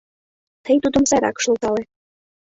Тый тудым сайрак шылтале.